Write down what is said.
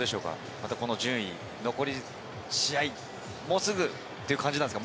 またこの順位、残り試合、もうすぐという感じですか？